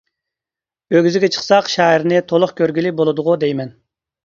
ئۆگزىسىگە چىقساق شەھەرنى تولۇق كۆرگىلى بولىدىغۇ دەيمەن.